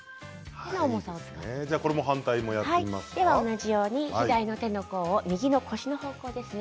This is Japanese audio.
同じように左の手の甲を右の腰の方向ですね。